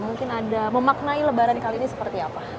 mungkin anda memaknai lebaran kali ini seperti apa